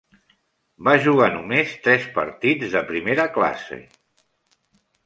Va jugar només tres partits de primera classe.